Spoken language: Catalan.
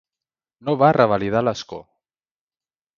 No va revalidar l'escó.